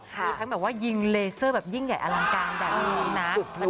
มีทั้งแบบว่ายิงเลเซอร์แบบยิ่งใหญ่อลังการแบบนี้นะ